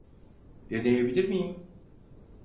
Deneyebilir miyim?